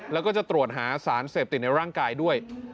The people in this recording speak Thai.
แล้วก็จะตรวจหาสารเสพติดในร่างกายด้วย